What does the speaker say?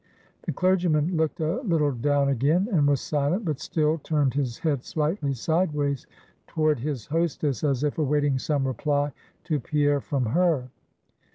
The clergyman looked a little down again, and was silent; but still turned his head slightly sideways toward his hostess, as if awaiting some reply to Pierre from her.